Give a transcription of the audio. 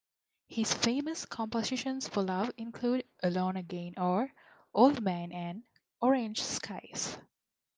His famous compositions for Love include "Alone Again Or," "Old Man," and "Orange Skies.